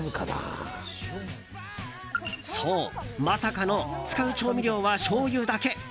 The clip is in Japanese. そう、まさかの使う調味料はしょうゆだけ。